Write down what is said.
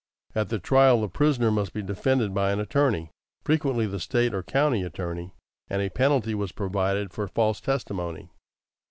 At the trial the prisoner must be defended by an attorney, frequently the State or county attorney, and a penalty was provided for false testimony.